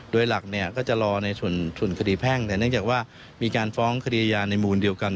โดยหลักเนี่ยก็จะรอในส่วนคดีแพ่งแต่เนื่องจากว่ามีการฟ้องคดีอาญาในมูลเดียวกัน